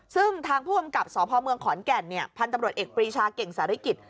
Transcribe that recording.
ซึ่งทางผู้กำกับสพเมืองขอนแก่นพันธุ์ตำรวจเอกปรีชาเก่งสาริกิจ